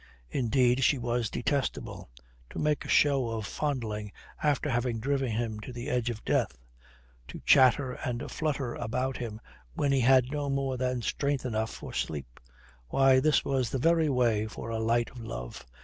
Indeed, she was detestable. To make a show of fondling after having driven him to the edge of death! To chatter and flutter about him when he had no more than strength enough for sleep! Why, this was the very way for a light o' love.